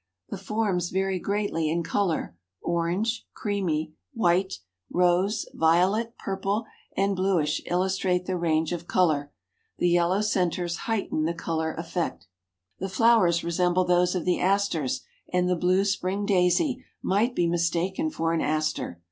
The forms vary greatly in color—orange, creamy, white, rose, violet, purple and bluish illustrate the range of color. The yellow centers heighten the color effect. The flowers resemble those of the asters and the Blue Spring Daisy might be mistaken for an Aster.